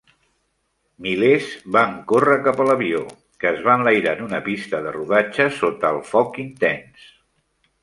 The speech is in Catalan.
Milers van córrer cap a l'avió, que es va enlairar en una pista de rodatge sota el foc intens.